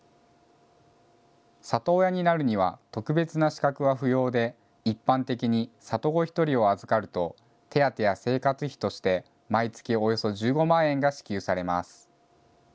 里親になるには特別な資格は不要で、一般的に里子１人を預かると手当や生活費として毎月およそ１５万円が支給されます。